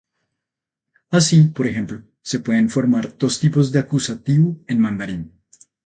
Así, por ejemplo, se pueden formar dos tipos de acusativo en mandarín.